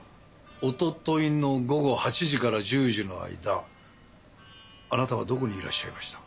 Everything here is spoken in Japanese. おとといの午後８時から１０時の間あなたはどこにいらっしゃいました？